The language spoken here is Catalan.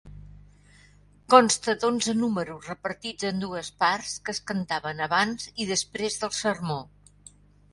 Consta d’onze números repartits en dues parts que es cantaven abans i després del sermó.